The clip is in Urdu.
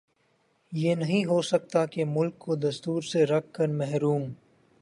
یہ نہیں ہو سکتا کہ ملک کو دستور سےرکھ کر محروم